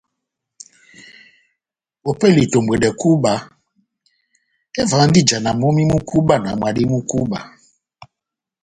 Ópɛlɛ ya itombwedɛ kúba, evahandi ijana momí mu kúba na mwadi mú kúba.